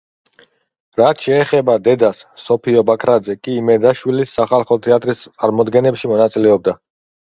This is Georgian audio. რაც შეეხება დედას, სოფიო ბაქრაძე კი იმედაშვილის სახალხო თეატრის წარმოდგენებში მონაწილეობდა.